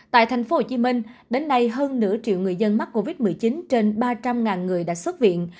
tại tp hcm đến nay hơn nửa triệu người dân mắc covid một mươi chín trên ba trăm linh người đã xuất viện